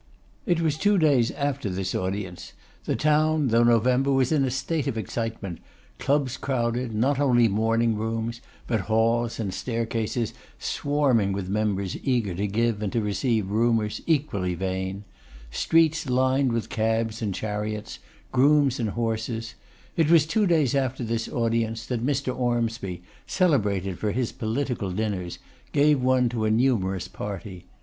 It was two days after this audience; the town, though November, in a state of excitement; clubs crowded, not only morning rooms, but halls and staircases swarming with members eager to give and to receive rumours equally vain; streets lined with cabs and chariots, grooms and horses; it was two days after this audience that Mr. Ormsby, celebrated for his political dinners, gave one to a numerous party.